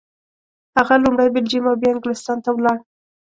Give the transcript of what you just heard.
هغه لومړی بلجیم او بیا انګلستان ته ولاړ.